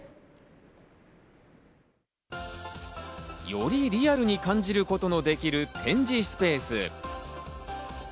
よりリアルに感じることのできる展示スペース。